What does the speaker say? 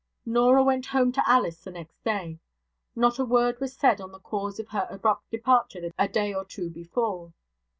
Norah went home to Alice the next day. Not a word was said on the cause of her abrupt departure a day or two before.